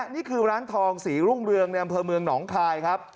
นี่คือร้านทองศรีรุ่งเรืองในอำเภอเมืองหนองคายครับ